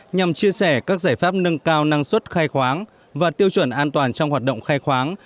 nhằm chia sẻ các giải pháp nâng cao năng suất khai khoáng và tiêu chuẩn an toàn trong hoạt động khai khoáng